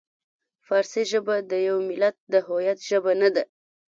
فارسي ژبه د یوه ملت د هویت ژبه نه ده.